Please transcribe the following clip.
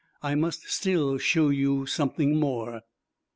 "I must still show you something more."